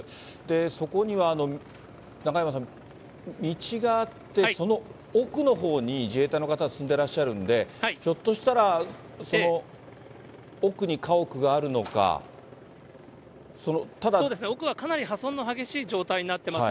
そこには中山さん、道があって、その奥のほうに、自衛隊の方は進んでらっしゃるんで、ひょっとしたら、そうですね、奥はかなり破損が激しい状態になっています。